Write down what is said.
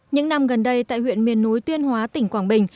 những năm gần đây tại huyện miền núi tuyên hóa tỉnh quảng bình